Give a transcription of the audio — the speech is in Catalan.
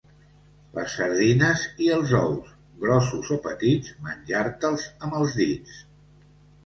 Les sardines i els ous, grossos o petits, menja-te'ls amb els dits.